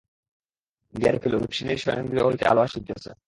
গিয়া দেখিল, রুক্মিণীর শয়নগৃহ হইতে আলো আসিতেছে।